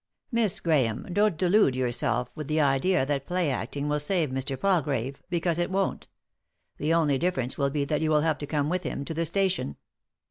" Miss Grahame, don't yon delude yourself with the idea that play acting will save Mr. Palgrave, because it won't The only difference will be that you will have to come with him to the station."